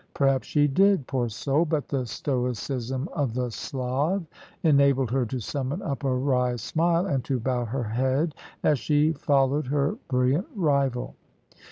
Perhaps she did, poor soul! But the stoicism of the Slav enabled her to summon up a wry smile, and to bow her head, as she followed her brilliant rival.